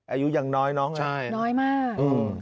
อายุยังน้อยน้องอ่ะใช่น้อยมากอืม